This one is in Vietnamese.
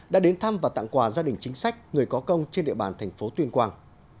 đã đến thăm và tặng quà gia đình chính sách người có công trên địa bàn tp tuyên quang